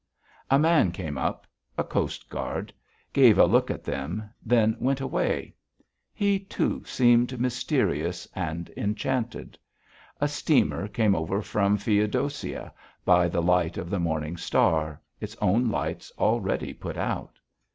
A man came up a coast guard gave a look at them, then went away. He, too, seemed mysterious and enchanted. A steamer came over from Feodossia, by the light of the morning star, its own lights already put out.